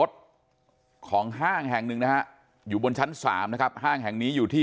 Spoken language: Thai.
รถของห้างแห่งหนึ่งนะฮะอยู่บนชั้น๓นะครับห้างแห่งนี้อยู่ที่